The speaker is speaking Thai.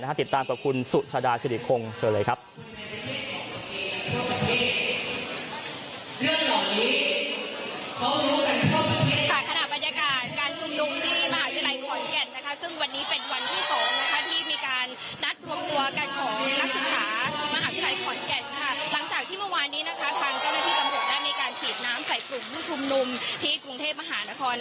หลังจากที่เมื่อวานนี้ทางเจ้าหน้าที่กำหนดได้มีการฉีดน้ำใส่กลุ่มผู้ชมนุ่มที่กรุงเทพมหานคร